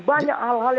banyak hal hal yang pak